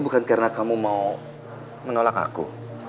bukan karena kamu mau menolak aku